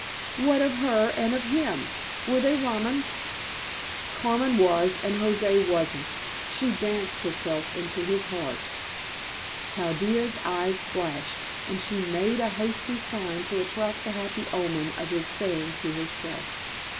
"What of her and of him? Were they Romans?" "Carmen was and José wasn't. She danced herself into his heart." Chaldea's eyes flashed, and she made a hasty sign to attract the happy omen of his saying to herself.